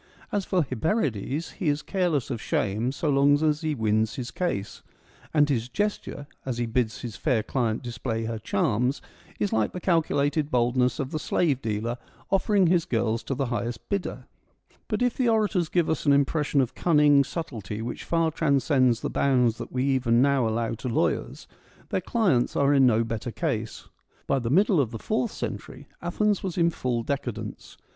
As for Hyperides, he is careless of shame so long as he wins his case ; and his gesture, as he bids his fair client display her charms, is like the calculated boldness of the slave dealer offering his girls to the highest bidder. But if the orators give us an impression of cunning subtlety which far transcends the bounds that we even now allow to lawyers, their clients are. in no better case. By the middle of the fourth century Athens was in full decadence.